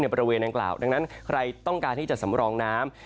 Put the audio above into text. บริเวณดังกล่าวดังนั้นใครต้องการที่จะสำรองน้ำ